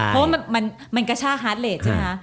เพราะว่ามันกระชากหาร์เดทใช่มั้ย